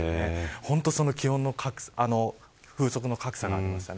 本当に風速の格差がありました。